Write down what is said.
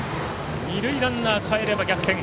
二塁ランナーかえれば逆転。